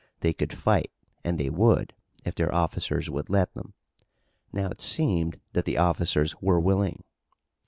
They could fight, and they would, if their officers would let them. Now it seemed that the officers were willing.